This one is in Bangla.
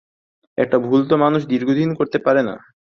একটা ভুল তো মানুষ দীর্ঘদিন করতে পারে না।